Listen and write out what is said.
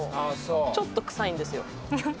ちょっと臭いんですよ